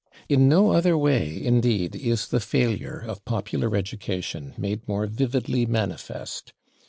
In no other way, indeed, is the failure of popular education made more vividly manifest.